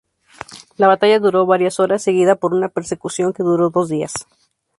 La batalla duró varias horas, seguida por una persecución que duró dos días.